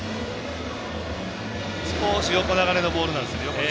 少し横流れのボールなんですよね。